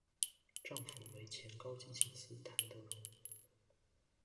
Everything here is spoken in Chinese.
丈夫为前高级警司谭德荣。